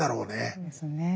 そうですね。